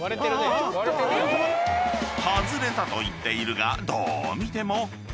［外れたと言っているがどう見ても壊れている］